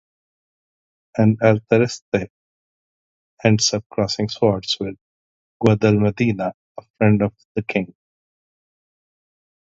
And Alatriste ends up crossing swords with Guadalmedina, a friend of the king.